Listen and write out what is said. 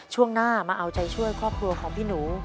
ช่วงหน้ามาเอาใจช่วยครอบครัวของพี่หนู